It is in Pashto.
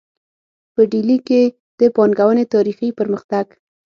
په ډیلي کې د پانګونې تاریخي پرمختګ